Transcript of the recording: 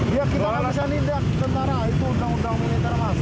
iya kita nggak bisa nindek tentara itu undang undang militer mas